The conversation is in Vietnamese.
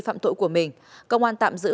phạm tội của mình công an tạm giữ